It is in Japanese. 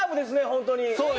本当に。